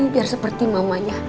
biar seperti mamanya